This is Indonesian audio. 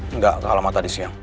enggak kalah mata di siang